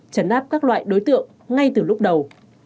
chấn áp các loại đối tượng ngay từ lúc đầu